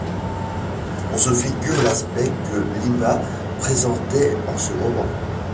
On se figure l’aspect que Lima présentait en ce moment.